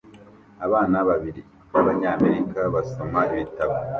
Abana babiri b'Abanyamerika basoma ibitabo